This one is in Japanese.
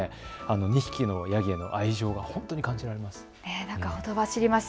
２匹のヤギへの愛情が本当に感じられます。